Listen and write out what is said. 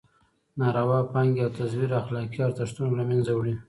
ناروا پانګې او تزویر اخلاقي ارزښتونه له مېنځه وړي.